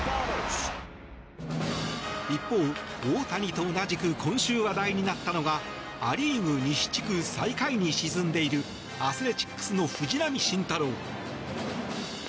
一方、大谷と同じく今週話題になったのがア・リーグ西地区最下位に沈んでいるアスレチックスの藤浪晋太郎。